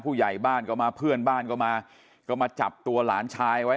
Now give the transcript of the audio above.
ผู้ใหญ่บ้านก็มาเพื่อนบ้านก็มาก็มาจับตัวหลานชายไว้